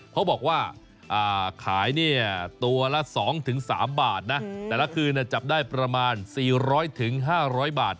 เขาบอกว่าขายเนี่ยตัวละ๒๓บาทนะแต่ละคืนจับได้ประมาณ๔๐๐๕๐๐บาท